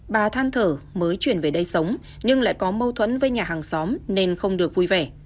bà than thở mới chuyển về đây sống nhưng lại có mâu thuẫn với nhà hàng xóm nên không được vui vẻ